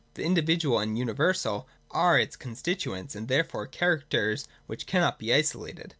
The in dividual and universal are its constituents, and therefore characters which cannot be isolated.